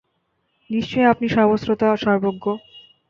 নিশ্চয়ই আপনি সর্বশ্রোতা সর্বজ্ঞ।